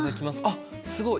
あっすごい！